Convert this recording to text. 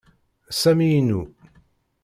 Sami inu.